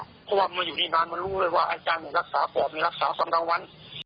เพราะว่ามันอยู่นี่นานมันรู้เลยว่าอาจารย์มีรักษาฝ่อมีรักษาสำดังวัน